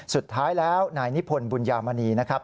สุดท้ายแล้วนายนิพนธ์บุญญามณีนะครับ